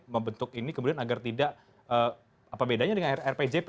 membentuk ini kemudian agar tidak apa bedanya dengan rpjp